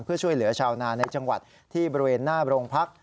เพื่อช่วยเหลือชาวนาในจังหวัดที่บริเวณหน้าโรงพัก